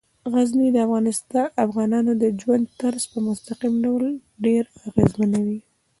غزني د افغانانو د ژوند طرز په مستقیم ډول ډیر اغېزمنوي.